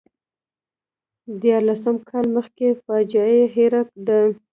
دیارلس کاله مخکې فاجعه یې هېره ده.